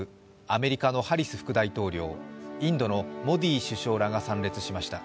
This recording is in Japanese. アメリカのハリス副大統領、インドのモディ首相らが参列しました。